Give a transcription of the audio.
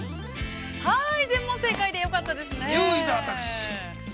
◆全問正解でよかったですね。